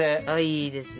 いいですね！